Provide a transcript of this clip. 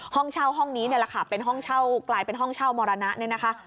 ห้องเช่าห้องนี้นี่แหละค่ะเป็นห้องเช่ากลายเป็นห้องเช่ามรณะเนี่ยนะคะ